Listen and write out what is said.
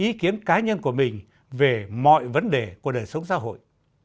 quan điểm ý kiến cá nhân của mình về mọi vấn đề của đời sống xã hội